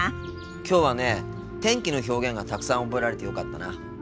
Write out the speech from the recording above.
きょうはね天気の表現がたくさん覚えられてよかったな。